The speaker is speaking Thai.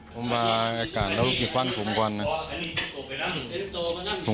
ผมออกมาเราจะเมารถ